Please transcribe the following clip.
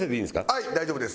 はい大丈夫です。